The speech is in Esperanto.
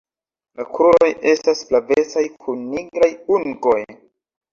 La kruroj estas flavecaj kun nigraj ungoj.